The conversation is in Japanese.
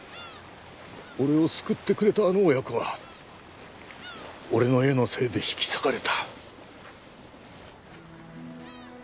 俺を救ってくれたあの親子は俺の絵のせいで引き裂かれた。